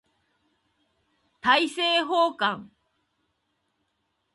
大政奉還